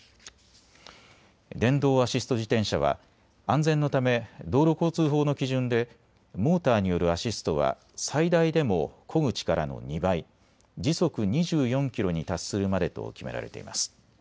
電動アシスト自転車は安全のため道路交通法の基準でモーターによるアシストは最大でもこぐ力の２倍、時速２４キロに達するまでと決められています。